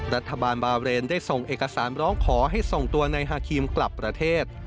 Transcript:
รัฐบาลบาเรนได้ส่งเอกสารร้องขอให้ส่งตัวนายฮาครีมกลับประเทศ